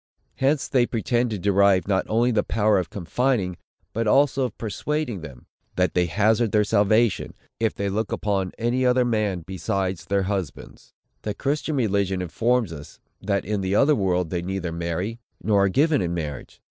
Hence they pretend to derive not only the power of confining, but also of persuading them, that they hazard their salvation, if they look upon any other man besides their husbands. The Christian religion informs us, that in the other world they neither marry, nor are given in marriage.